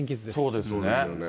そうですよね。